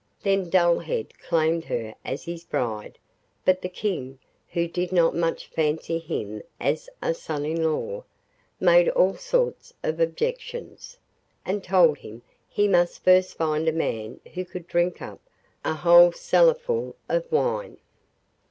Then Dullhead claimed her as his bride, but the King, who did not much fancy him as a son in law, made all sorts of objections, and told him he must first find a man who could drink up a whole cellarful of wine.